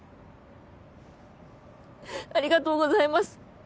ありがとうございます。